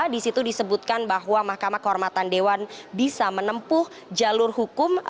di situ disebutkan bahwa mahkamah kehormatan dewan bisa menempuh jalur hukum